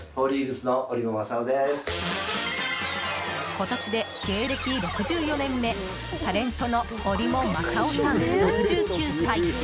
今年で芸歴６４年目タレントのおりも政夫さん、６９歳。